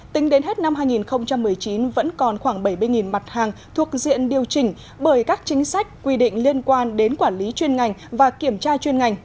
tính đến hết năm hai nghìn một mươi chín vẫn còn khoảng bảy mươi mặt hàng thuộc diện điều chỉnh bởi các chính sách quy định liên quan đến quản lý chuyên ngành và kiểm tra chuyên ngành